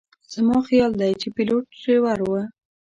زما خیال دی چې پیلوټ ډریور و.